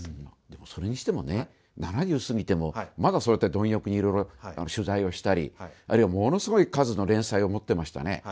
でもそれにしてもね７０過ぎてもまだそうやって貪欲にいろいろ取材をしたりあるいはものすごい数の連載を持ってましたね。